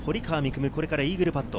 夢、これからイーグルパット。